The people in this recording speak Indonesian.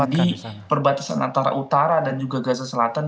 di perbatasan antara utara dan juga gaza selatan